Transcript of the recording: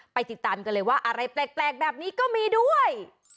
ติดตามกันเลยว่าอะไรแปลกแบบนี้ก็มีด้วย